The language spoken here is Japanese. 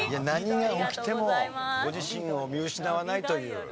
何が起きてもご自身を見失わないという。